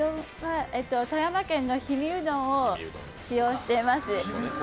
富山県の氷見うどんを使用しています。